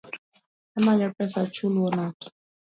Amanyo pesa achul wuon ot